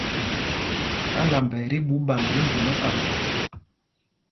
Álamba ɛ́ tí ɓuu ɓamb tí mbu mɛ́kapo.